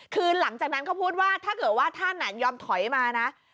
คือหลังจากนั้นเขาพูดว่าถ้าเกิดว่าท่านยอมถอยมานะ